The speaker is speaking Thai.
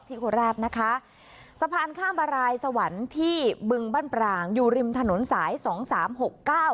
โคราชนะคะสะพานข้ามมารายสวรรค์ที่บึงบ้านปรางอยู่ริมถนนสายสองสามหกเก้า